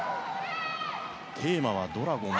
テーマはドラゴン。